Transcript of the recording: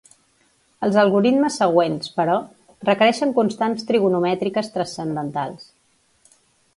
Els algoritmes següents, però, requereixen constants trigonomètriques transcendentals.